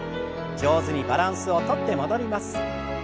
上手にバランスをとって戻ります。